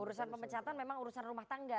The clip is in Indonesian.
urusan pemecatan memang urusan rumah tangga